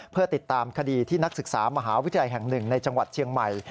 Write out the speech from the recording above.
เพื่อติดตามคดีที่นักศึกษามหาวิทยาลัยแห่งหนึ่งในจังหวัดเชียงใหม่